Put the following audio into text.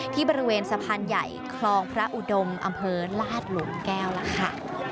ที่บริเวณสะพานใหญ่คลองพระอุดมอำเภอลาดหลุมแก้วล่ะค่ะ